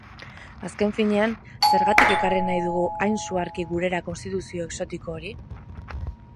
Azken finean, zergatik ekarri nahi dugu hain suharki gurera konstituzio exotiko hori?